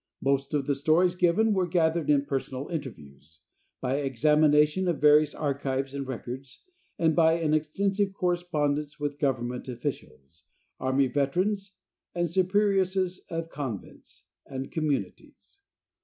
Most of the stories given were gathered in personal interviews, by examination of various archives and records, and by an extensive correspondence with Government officials, army veterans and Superioresses of Convents and communities.